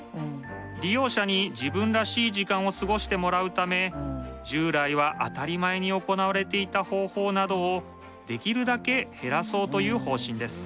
利用者に自分らしい時間を過ごしてもらうため従来は当たり前に行われていた方法などをできるだけ減らそうという方針です。